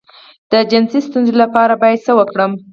د جنسي ستونزې لپاره باید څه وکړم؟